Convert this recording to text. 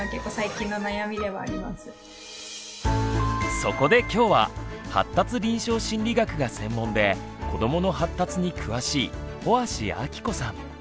そこで今日は発達臨床心理学が専門で子どもの発達に詳しい帆足暁子さん